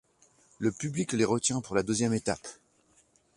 Le public les retient pour la deuxième étape.